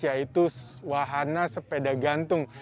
yaitu wahana sepeda gantung